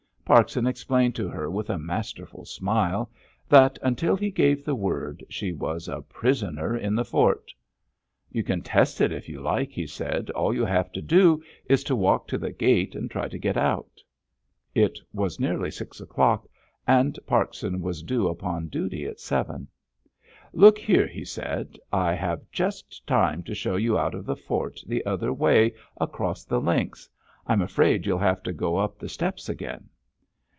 Parkson explained to her with a masterful smile, that, until he gave the word, she was a prisoner in the fort. "You can test it, if you like," he said; "all you have to do is to walk to the gate and try to get out." It was nearly six o'clock, and Parkson was due upon duty at seven. "Look here," he said, "I have just time to show you out of the fort the other way, across the links. I'm afraid you'll have to go up the steps again."